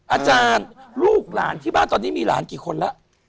อาจารย์ลูกหลานที่บ้านตอนนี้มีหลานกี่คนแล้ว